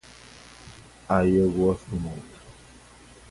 Ai, eu gosto muito